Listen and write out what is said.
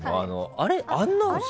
あれ、あんなのさ。